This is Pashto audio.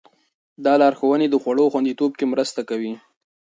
دا لارښوونې د خوړو خوندیتوب کې مرسته کوي.